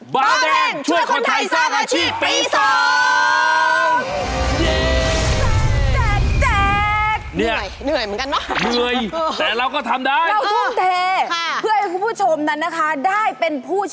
บาวแดงช่วยคนไทยสร้างอาชีพปี๒